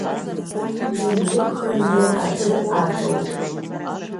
Ӡынгьы ԥхынгьы аӡы аҵоуп.